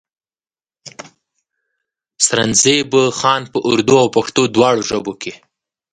سرنزېب خان پۀ اردو او پښتو دواړو ژبو کښې